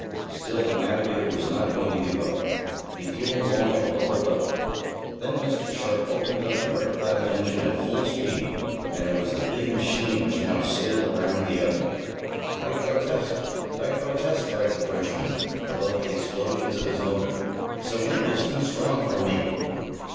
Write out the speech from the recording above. Still the navigator was not going to give up. He flew along at a lower level. Then Mr. Sharp opened up the Red Cloud's engine at full speed, and it was the big machine which now sailed around the other. "I protest! I protest!" cried the Frenchman, above the explosions of his motor. "Ze wind is too strong for me!"